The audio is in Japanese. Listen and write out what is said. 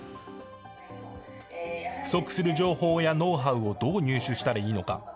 不足する情報やノウハウをどう入手したらいいのか。